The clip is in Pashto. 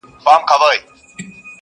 • هم باید څرګند پیغام او هدف ولري -